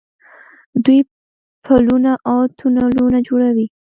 دوی پلونه او تونلونه جوړوي.